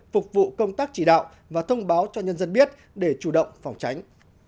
phục vụ công tác chỉ đạo và thông báo cho nhân dân biết để chủ động phòng tránh